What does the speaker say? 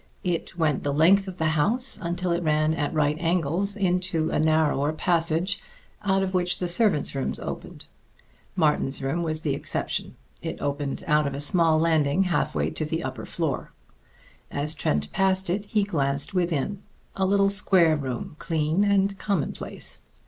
It went the length of the house until it ran at right angles into a narrower passage, out of which the servants' rooms opened. Martin's room was the exception: it opened out of a small landing halfway to the upper floor. As Trent passed it, he glanced within. A little square room, clean and commonplace.